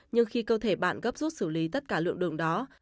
nhưng khi cơ thể bạn gấp rút xử lý tất cả lượng đường đó